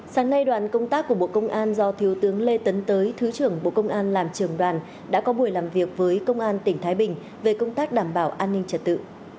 sáng nay đoàn công tác của bộ công an do thiếu tướng lê tấn tới thứ trưởng bộ công an làm trường đoàn đã có buổi làm việc với công an tỉnh thái bình về công tác đảm bảo an ninh trật tự